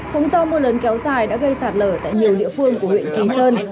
cũng do mưa lớn kéo dài đã gây sạt lở tại nhiều địa phương của huyện kỳ sơn